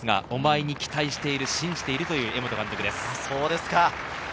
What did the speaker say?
お前に期待している、信じているという江本監督です。